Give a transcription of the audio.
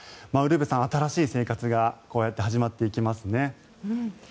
ウルヴェさん、新しい生活がこうやって始まっていきますね。